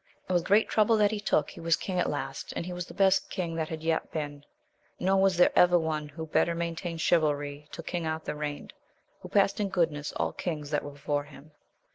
And with great trouble that he took he was king at last, and he was the best king that had yet been, nor was there ever one. who better main tained chivalry till King Arthur reigned, who passed in goodness all kings that were before him.